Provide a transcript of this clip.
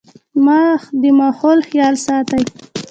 د ماحول خيال ساتئ